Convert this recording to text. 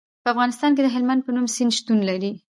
په افغانستان کې د هلمند په نوم سیند شتون لري.